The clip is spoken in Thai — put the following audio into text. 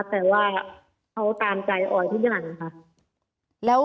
แต่ว่าเขาตามใจออยที่กำลังค่ะ